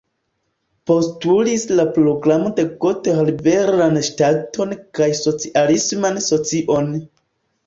Postulis la Programo de Gotha "liberan ŝtaton" kaj "socialisman socion".